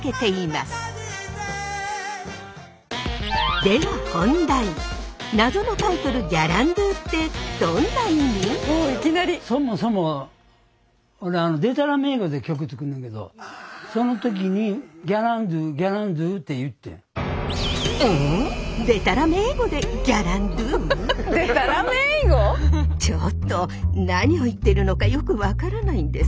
ちょっと何を言ってるのかよく分からないんですが。